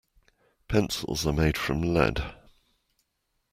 Pencils are made from lead.